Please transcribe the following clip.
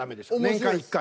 年間１回。